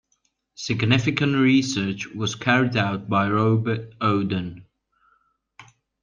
Significant research was carried out by Robert Oden.